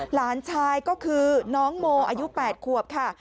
หลานชายก็คือน้องโมอายุ๘ขวบค่ะ